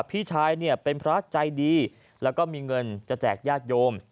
พี่ชายเนี่ยเป็นพระใจดีแล้วก็มีเงินจะแจกญาติโยม